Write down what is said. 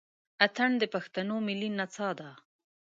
اتڼ د پښتنو ملي نڅا ده.